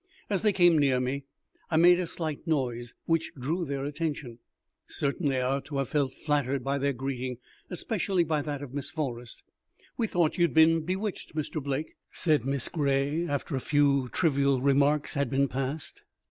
As they came near me, I made a slight noise, which drew their attention. Certainly I ought to have felt flattered by their greeting, especially, by that of Miss Forrest. "We thought you had been bewitched, Mr. Blake," said Miss Gray, after a few trivial remarks had been passed.